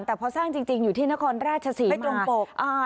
แต่พอสร้างจริงอยู่ที่นครราชศรีมา